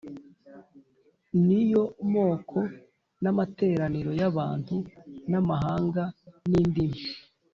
ni yo moko n’amateraniro y’abantu n’amahanga n’indimi.